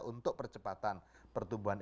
untuk percepatan pertumbuhan